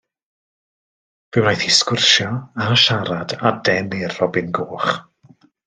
Fe wnaeth hi sgwrsio, a siarad, a denu'r robin goch.